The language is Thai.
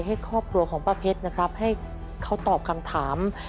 ให้เข้าผีตอบคำถาม